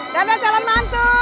dadah calon mantu